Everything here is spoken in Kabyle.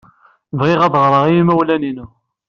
Bɣiɣ ad ɣreɣ i yimawlan-inu.